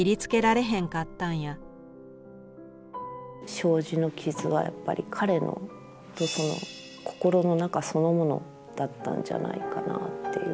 障子の傷はやっぱり彼の心の中そのものだったんじゃないかなっていう。